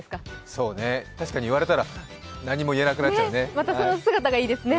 そうね、確かに言われたら何も言えなくなっちゃうね。